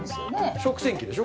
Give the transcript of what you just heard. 食洗機でしょ？